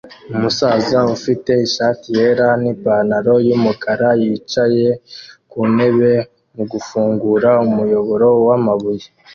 Umusaza ufite ishati yera nipantaro yumukara yicaye ku ntebe mu gufungura umuyoboro wamabuye